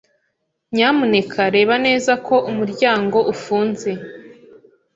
Nyamuneka reba neza ko umuryango ufunze.